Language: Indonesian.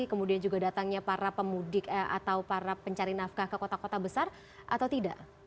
kemudian juga datangnya para pemudik atau para pencari nafkah ke kota kota besar atau tidak